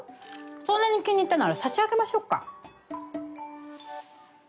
そんなに気に入ったなら差し上げましょうか。